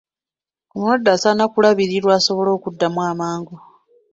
Omulwadde asaana kulabirirwa asobole okuddamu amangu.